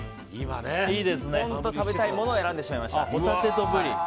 本当に食べたいものを選んでしまいました。